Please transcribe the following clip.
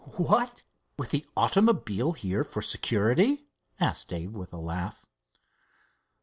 "What, with the automobile here for security?" asked Dave, with a laugh.